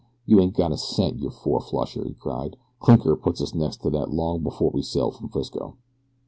"You ain't got a cent, you four flusher," he cried. "Clinker put us next to that long before we sailed from Frisco."